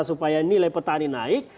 supaya nilai petani naik